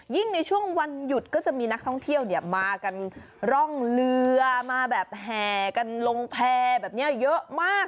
ในช่วงวันหยุดก็จะมีนักท่องเที่ยวเนี่ยมากันร่องเรือมาแบบแห่กันลงแพร่แบบนี้เยอะมาก